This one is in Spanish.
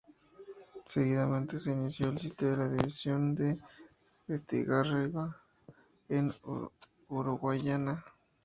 Seguidamente se inició el sitio de la división de Estigarribia en Uruguayana.